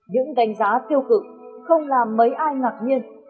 những đánh giá tiêu cực không làm mấy ai ngạc nhiên